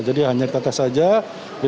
jadi hanya tetes saja lima tetes